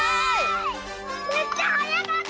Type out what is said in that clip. めっちゃはやかった！